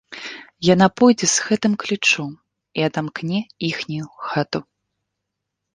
Яна пойдзе з гэтым ключом і адамкне іхнюю хату.